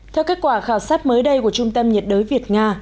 theo kết quả khảo sát mới đây của trung tâm nhiệt đới việt nga